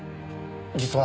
実は。